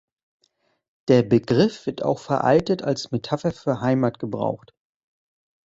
Der Begriff wird auch veraltet als Metapher für Heimat gebraucht.